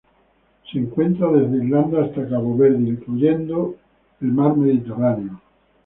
Se encuentra desde Irlanda hasta Cabo Verde, incluyendo la Mar Mediterráneo.